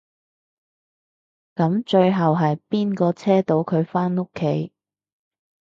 噉最後係邊個車到佢返屋企？